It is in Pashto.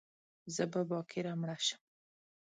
زه به باکره مړه شم